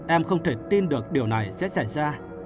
em không thể tin được điều này sẽ xảy ra